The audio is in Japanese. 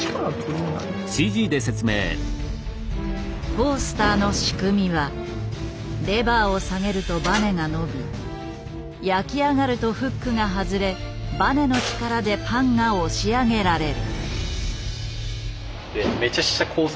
トースターの仕組みはレバーを下げるとバネが伸び焼き上がるとフックが外れバネの力でパンが押し上げられる。